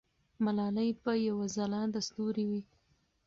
ملالۍ به یو ځلانده ستوری وي.